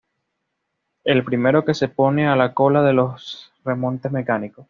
El primero que se pone a la cola de los remontes mecánicos.